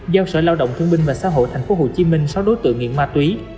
giao sở lao động thương minh và xã hội tp hcm sáu đối tượng nghiện ma túy